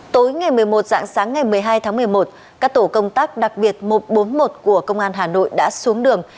tối ngày một mươi một dạng sáng ngày một mươi hai tháng một mươi một các tổ công tác đặc biệt một trăm bốn mươi một của công an hà nội đã xuống đường